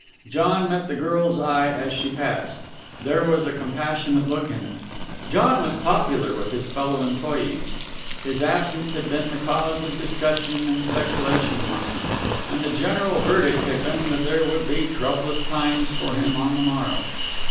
John met the girl's eye as she passed. There was a compassionate look in it. John was popular with his fellow employes. His absence had been the cause of discussion and speculation among them, and the general verdict had been that there would be troublous times for him on the morrow.